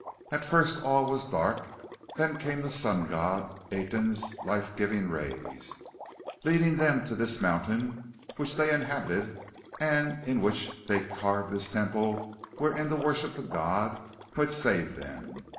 At first all was dark; then came the Sun God Aten's life giving rays, leading them to this mountain, which they inhabited and in which they carved this Temple wherein to worship the God who had saved them.